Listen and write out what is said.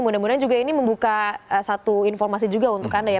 mudah mudahan juga ini membuka satu informasi juga untuk anda ya